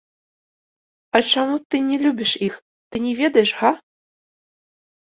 А чаму ты не любіш іх, ты не ведаеш, га?